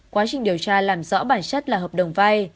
quá trình điều tra làm rõ bản chất là hợp đồng vay